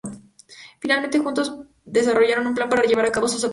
Finalmente, juntos desarrollan un plan para llevar a cabo sus objetivos.